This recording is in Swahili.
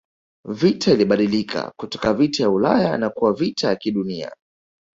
Vita ilibadilika kutoka vita ya Ulaya na kuwa vita ya kidunia